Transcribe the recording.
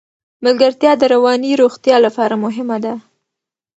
ملګرتیا د رواني روغتیا لپاره مهمه ده.